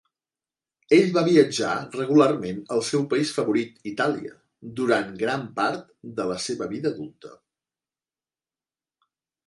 Ell va viatjar regularment al seu país favorit, Itàlia, durant gran part de la seva vida adulta.